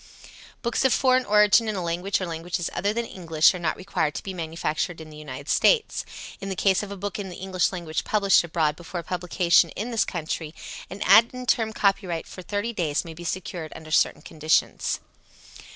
Books of foreign origin in a language or languages other than English are not required to be manufactured in the United States. In the case of a book in the English language published abroad before publication in this country, an ad interim copyright for 30 days may be secured under certain conditions.